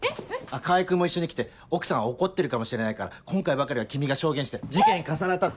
川合君も一緒に来て奥さん怒ってるかもしれないから今回ばかりは君が証言して事件重なったって。